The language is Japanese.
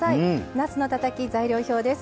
なすのたたき、材料表です。